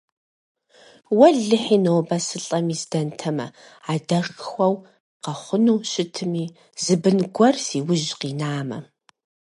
Уэлэхьи, нобэ сылӀэми здэнтэмэ, адэншэу къэхъуну щытми, зы бын гуэр си ужь къинамэ.